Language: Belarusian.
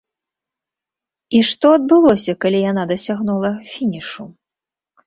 І што адбылося, калі яна дасягнула фінішу?